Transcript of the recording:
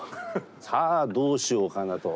さあどうしようかなと。